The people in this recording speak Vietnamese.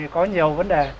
có nhiều vấn đề